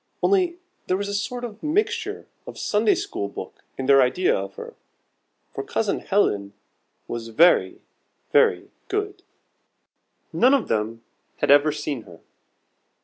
Only there was a sort of mixture of Sunday school book in their idea of her, for Cousin Helen was very, very good. None of them had ever seen her.